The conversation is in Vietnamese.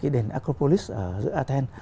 đền acropolis ở giữa athens